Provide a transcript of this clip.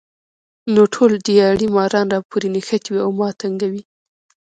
نو ټول دیاړي ماران راپورې نښتي وي ـ او ما تنګوي